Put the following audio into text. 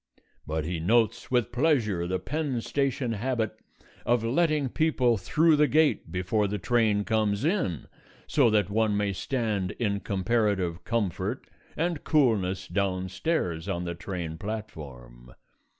But he notes with pleasure the Penn Station habit of letting people through the gate before the train comes in, so that one may stand in comparative comfort and coolness downstairs on the train platform.